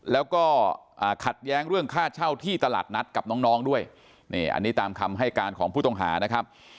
แล้วก็ขัดแย้งเรื่องค่าเช่าที่ตลาดนัดกับน้องด้วยนี่อันนี้ตามคำให้การของผู้ต้องหานะครับ